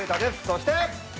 そして。